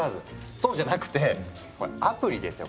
そうじゃなくてアプリですよ